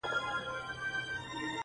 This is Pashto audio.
په دې وطن کي به نو څنگه زړه سوری نه کوي